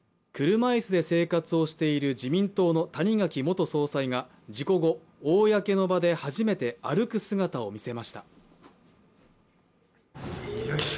車椅子で生活をしている自民党の谷垣元総裁が事故後、公の場で初めて歩く姿を見せました。